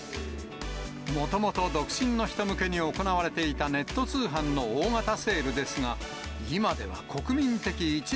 もともと独身の人向けに行われていたネット通販の大型セールです